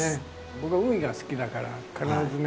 僕は海が好きだから必ずね